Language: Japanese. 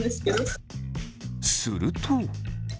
すると。